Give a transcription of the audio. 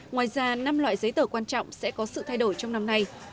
ngoài ra năm loại giấy tờ quan trọng sẽ có sự thay đổi trong năm nay